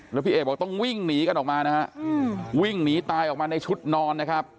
แล้วพี่เอกบอกต้องวิ่งหนีกันออกมานะฮะวิ่งหนีตายออกมาในชุดนอนนะครับ